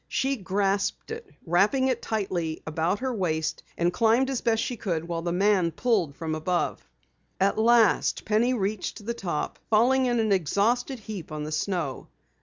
She grasped it, wrapping it tightly about her wrist, and climbed as best she could while the man pulled from above. At last Penny reached the top, falling in an exhausted heap on the snow.